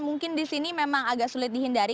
mungkin di sini memang agak sulit dihindari